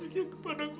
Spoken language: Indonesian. aja kepada allah